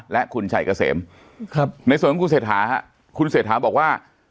และคุณชัยเกษมในส่วนของคุณเศรษฐาคุณเศรษฐาบอกว่า